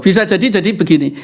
bisa jadi jadi begini